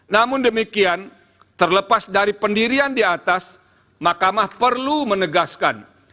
namun demikian terlepas dari pendirian di atas makamah perlu menegaskan